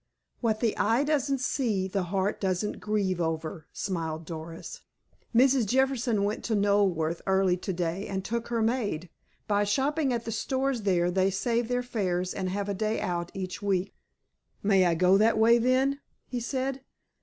"What the eye doesn't see the heart doesn't grieve over," smiled Doris. "Mrs. Jefferson went to Knoleworth early to day, and took her maid. By shopping at the stores there, they save their fares, and have a day out each week." "May I go that way, then?" he said.